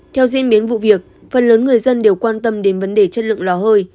theo diễn biến vụ việc phần lớn người dân đều quan tâm đến vấn đề chất lượng lò hơi